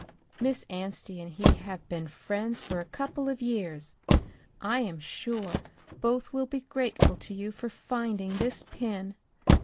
"Miss Anstey and he have been friends for a couple of years. I am sure both will be grateful to you for finding this pin.